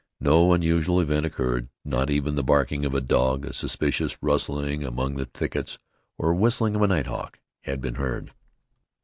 No unusual event occurred, not even the barking of a dog, a suspicious rustling among the thickets, or whistling of a night hawk had been heard.